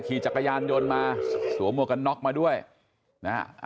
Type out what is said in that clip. ขี่จักรยานยนต์มาสวมหมวกกันน็อกมาด้วยนะฮะ